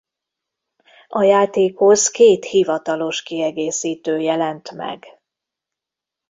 A játékhoz két hivatalos kiegészítő jelent meg.